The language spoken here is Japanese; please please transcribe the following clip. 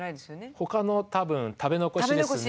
ほかの多分食べ残しですね。